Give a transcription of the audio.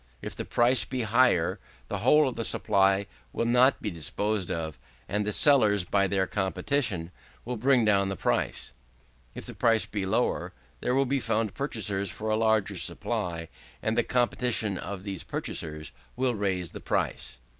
If the price be higher, the whole of the supply will not be disposed of, and the sellers, by their competition, will bring down the price. If the price be lower, there will be found purchasers for a larger supply, and the competition of these purchasers will raise the price.